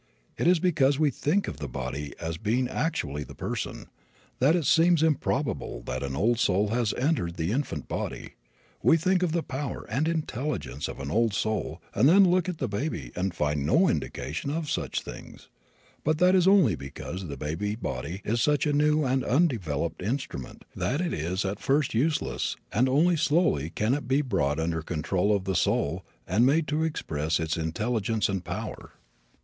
It is because we think of the body as being actually the person, that it seems improbable that an old soul has entered the infant body. We think of the power and intelligence of an old soul and then look at the baby and find no indication of such things. But that is only because the baby body is such a new and undeveloped instrument that it is at first useless and only slowly can it be brought under control of the soul and made to express its intelligence and power.